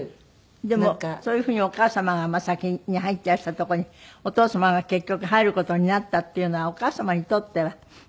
でもそういうふうにお母様が先に入っていらしたところにお父様が結局入る事になったっていうのはお母様にとっては。